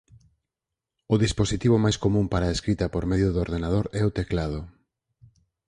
O dispositivo máis común para a escrita por medio do ordenador é o teclado.